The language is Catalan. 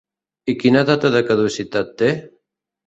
I quina data de caducitat té?